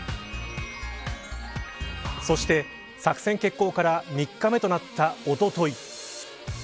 そして作戦決行から３日目となったおととい。